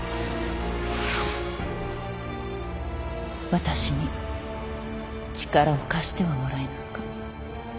私に力を貸してはもらえぬか？